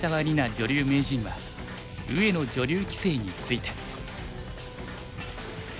女流名人は上野女流棋聖について。